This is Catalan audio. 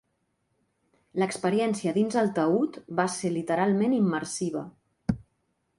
L'experiència dins el taüt va ser literalment immersiva.